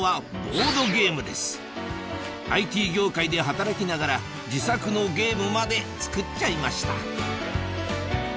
ボードゲームですＩＴ業界で働きながら自作のゲームまで作っちゃいました